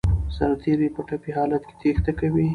سرتیري په ټپي حالت تېښته کوي.